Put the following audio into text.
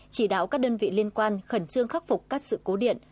chỉ đạo các đơn vị liên quan khẩn trương khắc phục các sự cố điện